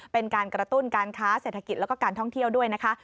เป็นการกระตุ้นการค้าเศรษฐกิจแล้วก็การท่องเที่ยวด้วยนะคะ